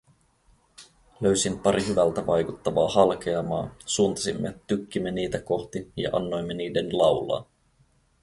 Löysin pari hyvältä vaikuttavaa halkeamaa, suuntasimme tykkimme niitä kohti ja annoimme niiden laulaa.